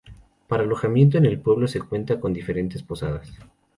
Para Alojamiento en el pueblo se cuenta con diferentes Posadas.